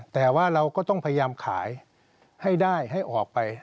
แต่ว่าเราก็ต้องพยายามขายให้ได้ให้ออกไป